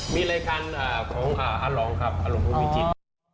มีรายคันของขาลงครับอรุณพุทธวิจิตร